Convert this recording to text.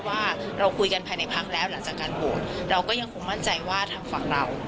ว่าเราคุยกันภายในพักแล้วหลังจากการโหวตเราก็ยังคงมั่นใจว่าทางฝั่งเรา